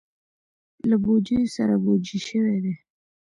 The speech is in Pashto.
له بوجیو سره بوجۍ شوي دي.